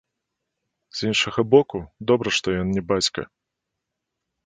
З іншага боку, добра, што ён не бацька.